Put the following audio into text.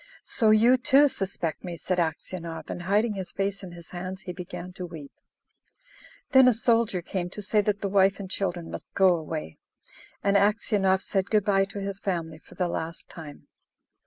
"So you, too, suspect me!" said Aksionov, and, hiding his face in his hands, he began to weep. Then a soldier came to say that the wife and children must go away; and Aksionov said good bye to his family for the last time.